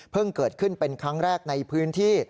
เกิดขึ้นเป็นครั้งแรกในพื้นที่